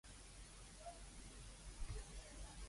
面部同腳需要包紥